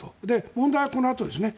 問題はこのあとですね。